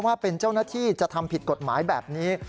ว่าเป็นเจ้าหน้าที่จะทำผิดกฎหมายแบบนี้